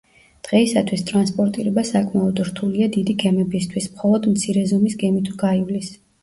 დღეისათვის ტრანსპორტირება საკმაოდ რთულია დიდი გემებისთვის, მხოლოდ მცირე ზომის გემი თუ გაივლის.